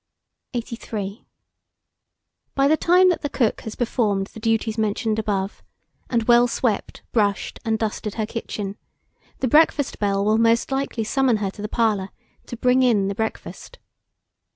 83. BY THE TIME THAT THE COOK has performed the duties mentioned above, and well swept, brushed, and dusted her kitchen, the breakfast bell will most likely summon her to the parlour, to "bring in" the breakfast.